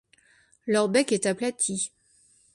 Leur bec est aplati.